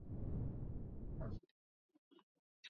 Binamu anacheka